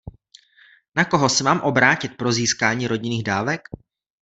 Na koho se mám obrátit pro získání rodinných dávek?